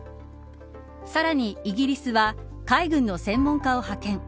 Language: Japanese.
さらにイギリスは海軍の専門家を派遣。